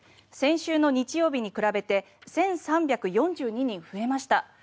先週の日曜日に比べて１３４２人増えました。